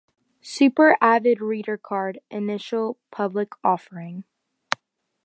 "Super avid reader card" initial public offering.